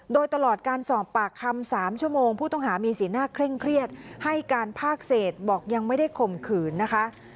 โดยตลอดการสอบปากคำ๓ชั่วโมงผู้ต้องหามีสีหน้าเคร่งเครียดให้การภาคเศษบอกยังไม่ได้ข่มขืนนะคะ